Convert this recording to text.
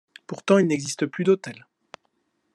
Pourtant, il n'existe plus d'hôtel.